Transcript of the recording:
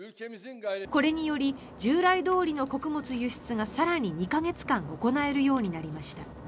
これにより従来どおりの穀物輸出が更に２か月間行えるようになりました。